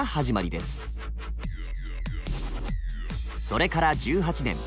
それから１８年。